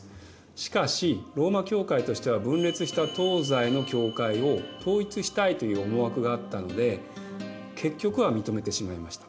しかしローマ教会としては分裂した東西の教会を統一したいという思惑があったので結局は認めてしまいました。